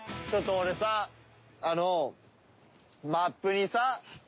ちょっと俺さあのマップにさ